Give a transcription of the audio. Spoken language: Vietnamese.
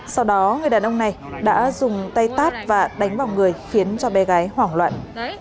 sau đó người đàn ông này đã dùng tay tát và đánh vào người khiến cho bé gái hoảng loạn